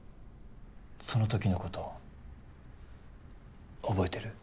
その時のこと覚えてる？